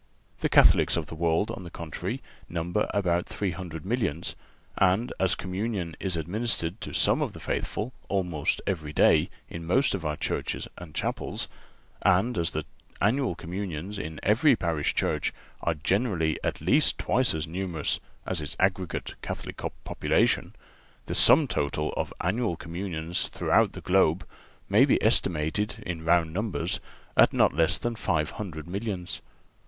The Catholics of the world, on the contrary, number about three hundred millions; and as communion is administered to some of the faithful almost every day in most of our churches and chapels, and as the annual communions in every parish church are generally at least twice as numerous as its aggregate Catholic population, the sum total of annual communions throughout the globe may be estimated in round numbers at not less than five hundred millions.